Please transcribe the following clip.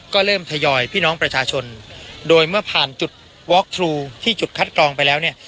ก็เริ่มทยอยพี่น้องประชาชนโดยเมื่อผ่านจุดวอล์กทรูที่จุดคัดกรองไปแล้วเนี่ย